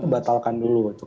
batalkan dulu kebijakan